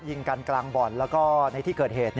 ยิงกันกลางบ่อนแล้วก็ในที่เกิดเหตุ